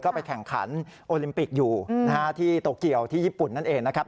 ก็ไปแข่งขันโอลิมปิกอยู่ที่โตเกียวที่ญี่ปุ่นนั่นเองนะครับ